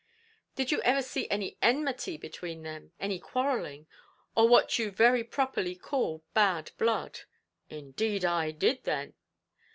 "Did you ever see any enmity between them any quarrelling or what you very properly call bad blood?" "Indeed I did then."